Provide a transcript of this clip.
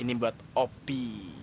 ini buat hopi